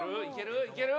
いける？